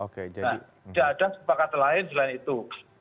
nah tidak ada sepakatan lain selain itu